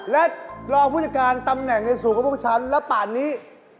และรอพุทธการตำแหน่งในสู่กระปุ้งชั้นระปานนี้